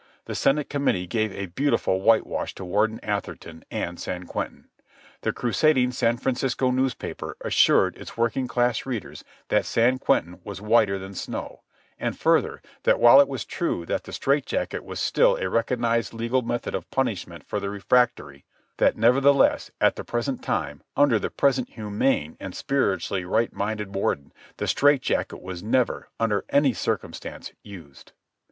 The Senate Committee gave a beautiful whitewash to Warden Atherton and San Quentin. The crusading San Francisco newspaper assured its working class readers that San Quentin was whiter than snow, and further, that while it was true that the strait jacket was still a recognized legal method of punishment for the refractory, that, nevertheless, at the present time, under the present humane and spiritually right minded Warden, the strait jacket was never, under any circumstance, used.